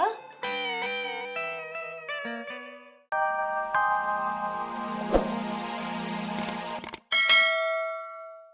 ini itu bukan segede hot news